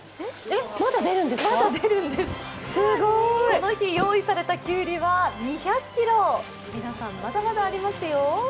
この日用意されたきゅうりは２００ｋｇ、皆さん、まだまだありますよ。